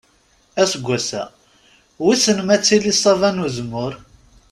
Aseggas-a, wissen ma ad tili ṣṣaba n uzemmur?